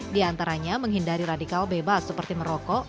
di antaranya menghindari radikal bebas seperti merokok